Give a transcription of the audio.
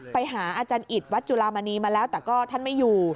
ไปหาอาจารย์อิตวัดจุลามณีมาแล้วแต่ก็ท่านไม่อยู่